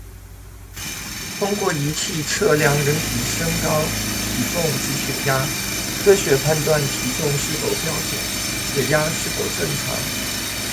通过仪器测量人体身高、体重及血压，科学判断体重是否标准、血压是否正常